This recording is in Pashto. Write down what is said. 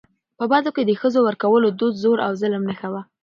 په بدو کي د ښځو ورکولو دود د زور او ظلم نښه وه .